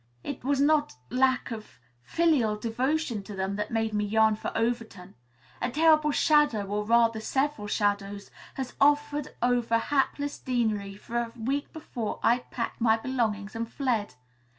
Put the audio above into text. It was not lack of filial devotion to them that made me yearn for Overton. A terrible shadow, or rather several shadows, had hovered over hapless Deanery for a week before I packed my belongings and fled.